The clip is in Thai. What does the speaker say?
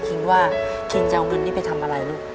คิงว่าคิงจะเอาเงินนี้ไปทำอะไรลูก